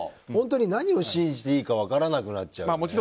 本当に何を信じていいか分からなくなっちゃうね。